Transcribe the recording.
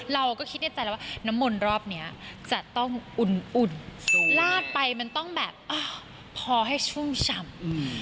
เราก็คิดในใจแล้วว่าน้ำมนต์รอบนี้จะต้องอุ่นลาดไปมันต้องแบบพอให้ชุ่มฉ่ำ